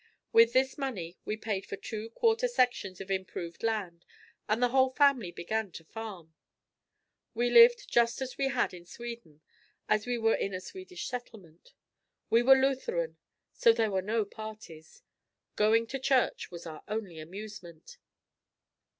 With this money we paid for two quarter sections of improved land and the whole family began to farm. We lived just as we had in Sweden, as we were in a Swedish settlement. We were Lutheran, so there were no parties. Going to church was our only amusement.